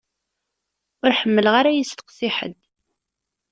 Ur ḥemmleɣ ara ad y-isteqsi ḥedd.